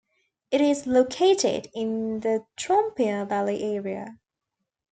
It is located in the Trompia valley area.